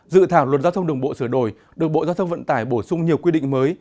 dự thảo luật giao thông đường bộ sửa đổi được bộ giao thông vận tải bổ sung nhiều quy định mới